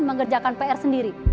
mengerjakan pr sendiri